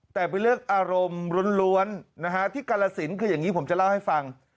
แต่เป็นเรื่องอารมณ์ล้วนที่กาลสินคืออย่างนี้ผมจะเล่าให้ฟัง